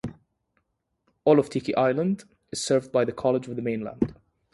All of Tiki Island is served by the College of the Mainland.